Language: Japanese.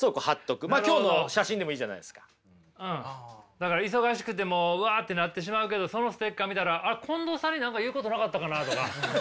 だから忙しくてもううわってなってしまうけどそのステッカー見たらあっ近藤さんに何か言うことなかったかなとか。